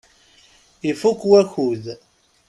Ifukk wakud.